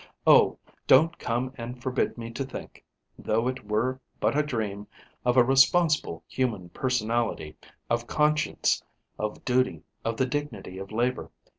Oh, don't come and forbid me to think, though it were but a dream, of a responsible human personality, of conscience, of duty, of the dignity of labour!